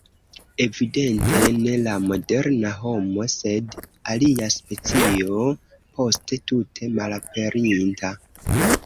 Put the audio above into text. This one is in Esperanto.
Evidente ne la moderna homo, sed alia specio poste tute malaperinta.